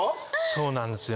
そうなんですよ。